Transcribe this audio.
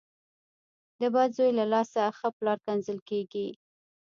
د بد زوی له لاسه ښه پلار کنځل کېږي .